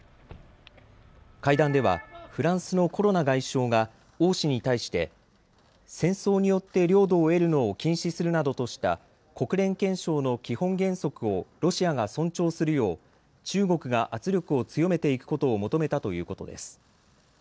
会談ではフランスのコロナ外相が王氏に対して戦争によって領土を得るのを禁止するなどとした国連憲章の基本原則をロシアが尊重するよう中国が圧力を強めていくことを求めたということです。